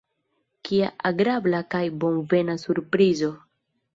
Kia agrabla kaj bonvena surprizo!